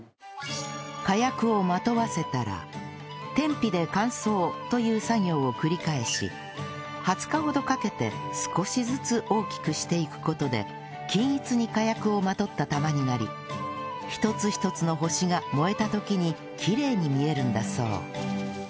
火薬をまとわせたら天日で乾燥という作業を繰り返し２０日ほどかけて少しずつ大きくしていく事で均一に火薬をまとった玉になり一つ一つの星が燃えた時にきれいに見えるんだそう